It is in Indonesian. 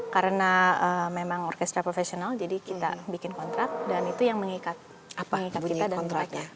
karena memang orkestra profesional jadi kita bikin kontrak dan itu yang mengikat kita dan mereka